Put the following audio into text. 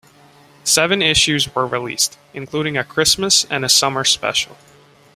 Seven issues were released, including a Christmas and a Summer special.